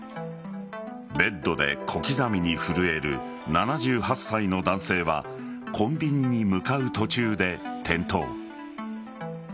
ベッドで小刻みに震える７８歳の男性はコンビニに向かう途中で転倒。